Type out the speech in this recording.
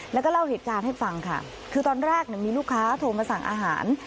แล้วก็เล่าเหตุการณ์ให้ฟังค่ะคือตอนแรกเนี่ยมีลูกค้าโทรมาสั่งอาหาร